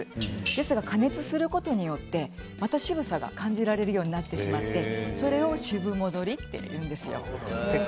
ですが加熱することによってまた渋さが感じられるようになってしまってそれを渋戻りというんですよ。